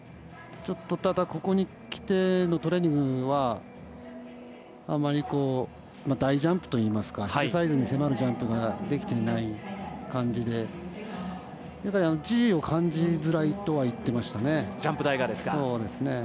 ただここにきてのトレーニングはあまり大ジャンプといいますかヒルサイズに迫るジャンプができていない感じでやっぱりＧを感じづらいとは言っていましたね。